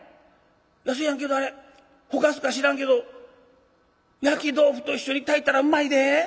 清やんけどあれほかすか知らんけど焼き豆腐と一緒に炊いたらうまいで。